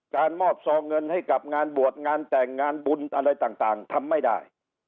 การมอบซองเงินให้กับงานบวชงานแต่งงานบุญอะไรต่างทำไม่ได้